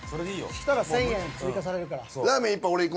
そしたら１，０００円追加されるから。